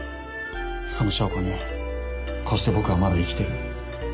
その証拠にこうして僕はまだ生きてる。